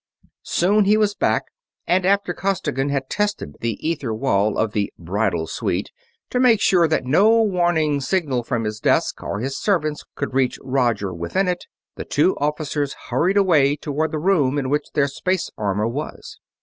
Soon he was back, and after Costigan had tested the ether wall of the "bridal suite" to make sure that no warning signal from his desk or his servants could reach Roger within it, the two officers hurried away toward the room in which their space armor was.